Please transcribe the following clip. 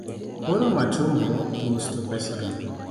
Koro matumbo nus to pesa adi?